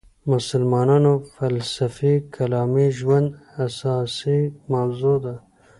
مسلمانانو فلسفي کلامي ژوند اساسي موضوع ده.